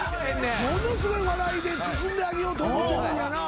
ものすごい笑いで包んであげようと思ってんのにやな